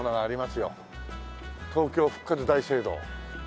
東京復活大聖堂。